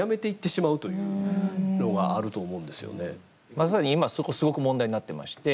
まさに今、そこすごく問題になってまして。